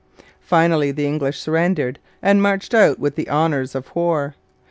Finally the English surrendered and marched out with the honours of war.